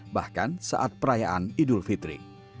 bahkan saat perayaan idul fitri